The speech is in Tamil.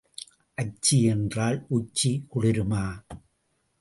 அச்சி என்றால் உச்சி குளிருமா?